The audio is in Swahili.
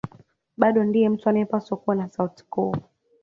Bado ndiye mtu anayepaswa kuwa na sauti kuu